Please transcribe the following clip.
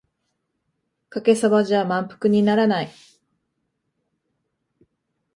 かけそばじゃ満腹にならない